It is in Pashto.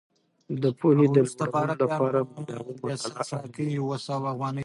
د پوهې د لوړولو لپاره مداوم مطالعه اړینې دي.